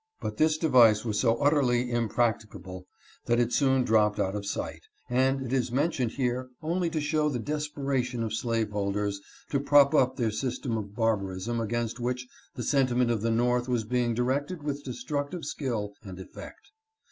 But this device was so utterly impracti cable that it soon dropped out of sight, and it is men tioned here only to show the desperation of slaveholders to prop up their system of barbarism against which the sentiment of the North was being directed with destruct ive skill and effect.